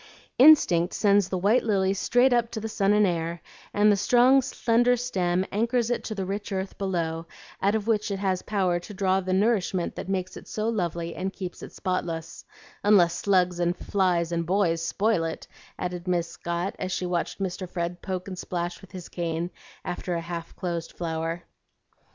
"Instinct sends the white lily straight up to the sun and air, and the strong slender stem anchors it to the rich earth below, out of which it has power to draw the nourishment that makes it so lovely and keeps it spotless unless slugs and flies and boys spoil it," added Miss Scott as she watched Mr. Fred poke and splash with his cane after a half closed flower.